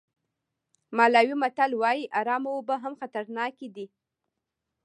مالاوي متل وایي ارامه اوبه هم خطرناک دي.